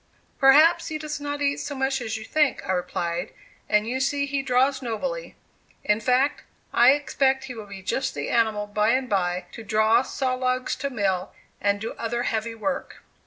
"Perhaps he does not eat so much as you think," I replied; "and you see he draws nobly in fact, I expect he will be just the animal by and by, to draw saw logs to mill, and do other heavy work."